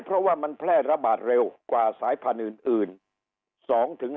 เพราะว่ามันแพร่ระบาดเร็วกว่าสายพันธุ์อื่น